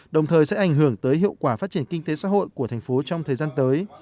đồng thời sẽ ảnh hưởng tới hiệu quả phát triển kinh tế xã hội của thành phố trong thời gian tới